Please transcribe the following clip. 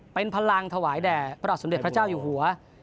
เป็นพลังถวายแด่พระบาทสมเด็จพระเจ้าอยู่หัว